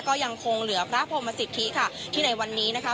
ก็ยังคงเหลือพระพรหมสิทธิค่ะที่ในวันนี้นะคะ